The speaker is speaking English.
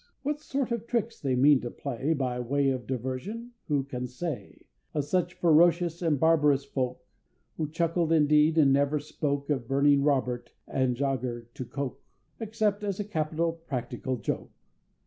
What sort of tricks they mean to play By way of diversion, who can say, Of such ferocious and barbarous folk, Who chuckled, indeed, and never spoke Of burning Robert the Jäger to coke, Except as a capital practical joke!